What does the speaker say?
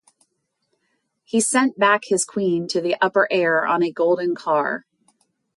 He sent back his queen to the upper air on a golden car.